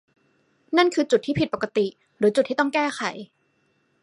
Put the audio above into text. นั่นคือจุดที่ผิดปกติ หรือ จุดที่ต้องแก้ไข